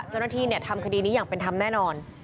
เจ้าหน้าที่ทำคดีนี้อย่างเป็นธรรมแน่นอน